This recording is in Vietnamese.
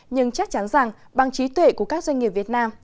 nhưng chắc chắn rằng bằng trí tuệ của các doanh nghiệp việt nam